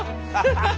ハハハハ！